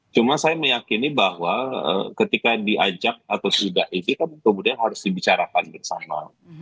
cuma saya meyakini bahwa ketika diajak atau tidak ini kan kemudian harus dibicarakan bersama